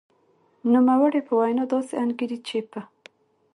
نوموړې په وینا داسې انګېري چې په